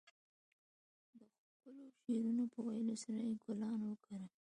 د ښکلو شعرونو په ويلو سره يې ګلان وکرل.